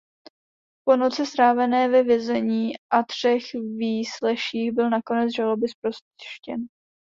Po noci strávené ve vězení a třech výsleších byl nakonec žaloby zproštěn.